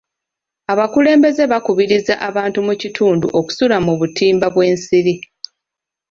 Abakulembeze bakubiriza abantu mu kitundu okusula mu butimba bw'ensiri.